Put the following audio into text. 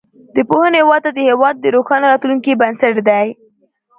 د پوهنې وده د هیواد د روښانه راتلونکي بنسټ دی.